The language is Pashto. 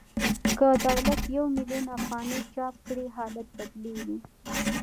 که دولت یو میلیون افغانۍ چاپ کړي حالت بدلېږي